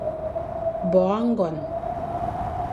Bo âgon.